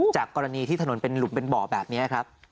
จากกรณีที่ถนนเป็นหลุมเป็นบ่อแบบนี้ครับ